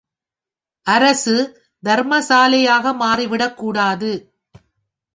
அரசு தர்மச்சாலையாக மாறிவிடக் கூடாது.